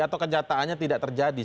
atau kenyataannya tidak terjadi